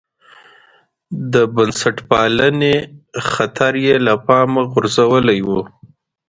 د بنسټپالنې خطر یې له پامه غورځولی و.